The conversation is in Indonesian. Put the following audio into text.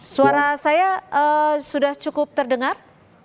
suara saya sudah cukup terdengar